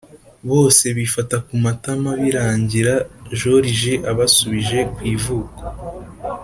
Bose bifata ku matama, birangira joriji abasubije ku ivuko.